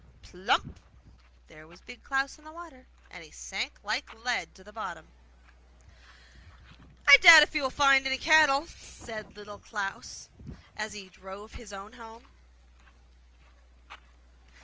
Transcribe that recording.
Plump! there was Big Klaus in the water, and he sank like lead to the bottom. 'I doubt if he will find any cattle!' said Little Klaus as he drove his own home.